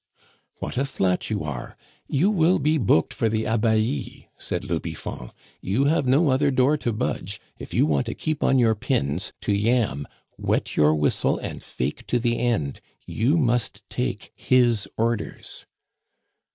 "What a flat you are! You will be booked for the Abbaye!" said le Biffon. "You have no other door to budge, if you want to keep on your pins, to yam, wet your whistle, and fake to the end; you must take his orders."